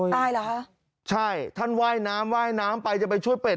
เหรอคะใช่ท่านว่ายน้ำว่ายน้ำไปจะไปช่วยเป็ด